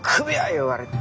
言われて。